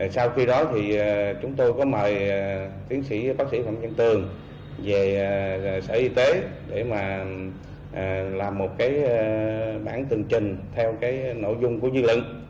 sau khi đó thì chúng tôi có mời tiến sĩ bác sĩ phạm văn tường về sở y tế để mà làm một cái bản tường trình theo cái nội dung của dư luận